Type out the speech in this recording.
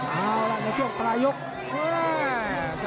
ก็เอาล่ะในโชคประหลายกครั้ง